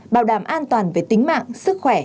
bảo đảm an toàn về tính mạng sức khỏe